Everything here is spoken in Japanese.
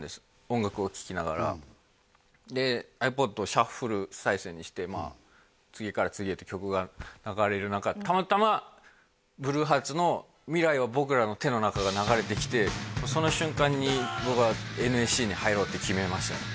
音楽を聴きながらでｉＰｏｄをシャッフル再生にして次から次へと曲が流れる中たまたまが流れてきてその瞬間に僕はＮＳＣに入ろうって決めましたね